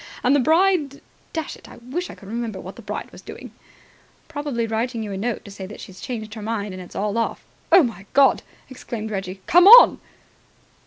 And the bride Dash it, I wish I could remember what the bride was doing!" "Probably writing you a note to say that she's changed her mind, and it's all off." "Oh, my God!" exclaimed Reggie. "Come on!"